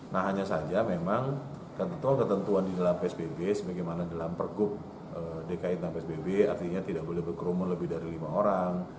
nah hanya saja memang ketentuan ketentuan di dalam psbb sebagaimana dalam pergub dki tentang psbb artinya tidak boleh berkerumun lebih dari lima orang